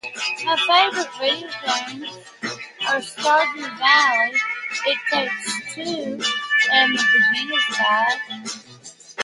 My favorite video games are Stardew Valley, It Takes Two, and The Beginner's Guide.